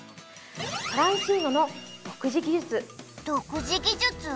トランシーノの独自技術独自技術？